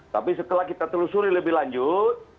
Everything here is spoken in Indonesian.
tapi setelah kita telusuri lebih lanjut